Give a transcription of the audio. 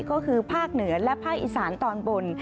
ก็คือภาคเหนือและภาคอีสานตอนบน